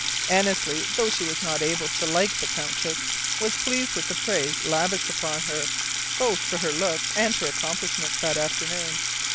Annesley, though she was not able to like the Countess, was pleased with the praise lavished upon her both for her looks and her accomplishments that afternoon.